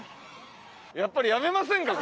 やっぱりやめませんか？